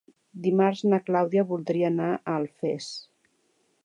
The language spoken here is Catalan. Dimarts na Clàudia voldria anar a Alfés.